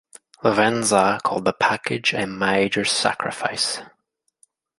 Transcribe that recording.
Lewenza called the package a major sacrifice.